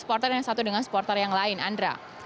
supporter yang satu dengan supporter yang lain andra